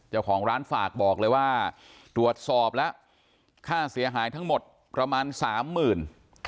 เจ้าของร้านฝากบอกเลยว่าตรวจสอบแล้วค่าเสียหายทั้งหมดประมาณสามหมื่น